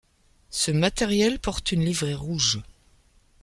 Ce matériel porte une livrée rouge.